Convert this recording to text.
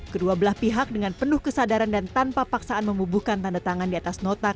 kedua belah pihak dengan penuh kesadaran dan tanpa paksaan membubuhkan tanda tangan di atas nota